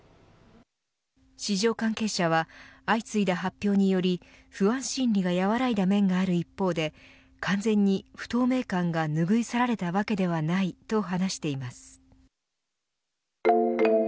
市場関係者は相次いだ発表により不安心理が和らいだ面がある一方で完全に不透明感が拭い去られたわけではないと話しています。